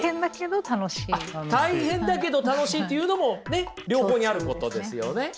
大変だけど楽しいっていうのも両方にあることですよね。